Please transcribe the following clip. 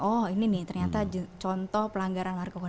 oh ini nih ternyata contoh pelanggaran narkoba